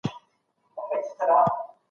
کوچیان د نورو متمدنو ټولنو څخه بیل قشر نه دي.